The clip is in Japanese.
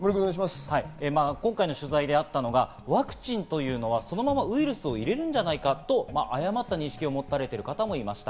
今回の取材であったのがワクチンというのは、そのままウイルスを入れるんじゃないかという誤った認識を持たれている方がいました。